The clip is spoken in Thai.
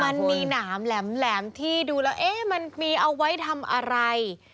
มันมีหนามแหลมที่ดูแล้วเอ๊ะมันมีเอาไว้ทำอะไร